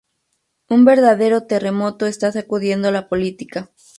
un verdadero terremoto está sacudiendo la política